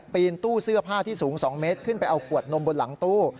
นตู้เสื้อผ้าที่สูง๒เมตรขึ้นไปเอาขวดนมบนหลังตู้